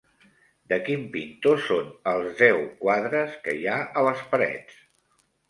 De quin pintor són els deu quadres que hi ha a les parets?